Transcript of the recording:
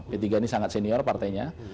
p tiga ini sangat senior partainya